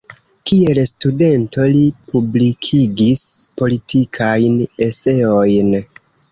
Kiel studento li publikigis politikajn eseojn.